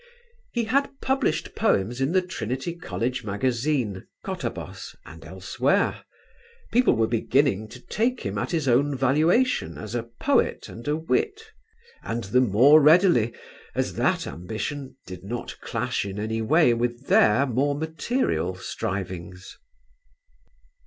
He had published poems in the Trinity College magazine, Kottabos, and elsewhere. People were beginning to take him at his own valuation as a poet and a wit; and the more readily as that ambition did not clash in any way with their more material strivings.